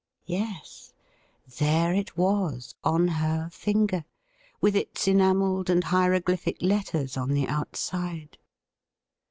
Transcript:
Yes, there it was on her finger, with its enamelled and hieroglyphic letters on the outside.